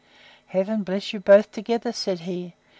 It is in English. —Heaven bless you both together! said he.